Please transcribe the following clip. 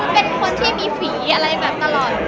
เป็นคนที่มีฝีอะไรแบบตลอด